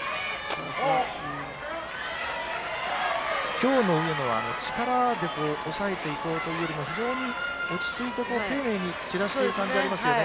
今日の上野は力で抑えていこうというよりも非常に落ち着いて丁寧に散らしている感じがしますよね。